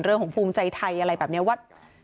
เรื่องของภูมิใจไทยอะไรแบบนี้ว่า